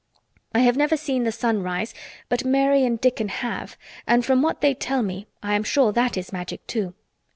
I have never seen the sun rise but Mary and Dickon have and from what they tell me I am sure that is Magic too.